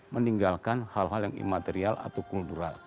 meninggalkan hal hal yang imaterial atau kultural